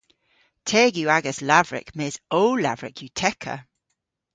Teg yw agas lavrek mes ow lavrek yw tekka!